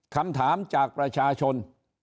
คำถามจากประชาชน